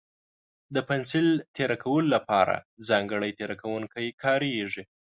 د پنسل تېره کولو لپاره ځانګړی تېره کوونکی کارېږي.